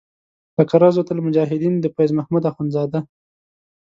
لکه روضة المجاهدین د فیض محمد اخونزاده.